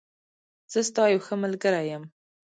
زه ستا یوښه ملګری یم.